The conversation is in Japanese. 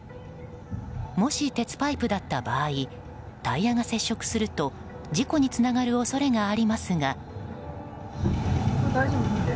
もし鉄パイプだった場合タイヤが接触すると事故につながる恐れがありますが。